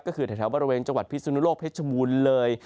ก็คือแถวบริเวณจังหวัดพิสุนุโลกเพชรบูรณ์เลย